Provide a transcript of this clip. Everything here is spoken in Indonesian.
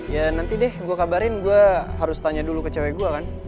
ya nanti deh gue kabarin gue harus tanya dulu ke cewek gue kan